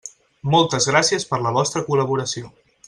Moltes gràcies per la vostra col·laboració.